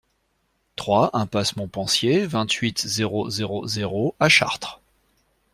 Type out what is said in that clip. trois impasse MontPensier, vingt-huit, zéro zéro zéro à Chartres